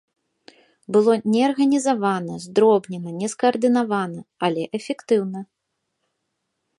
Было неарганізавана, здробнена, нескаардынавана, але эфектыўна.